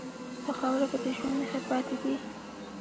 په خاوره کې د ژوند نښې پاتې دي.